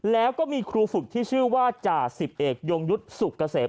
แล้วก็มีครูฝึกที่ชื่อว่าจ่าสิบเอกยงยุทธ์สุกเกษม